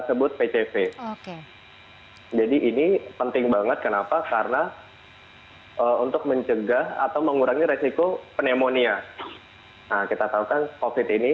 sebut pcv oke jadi ini penting banget kenapa karena untuk mencegah atau mengurangi resiko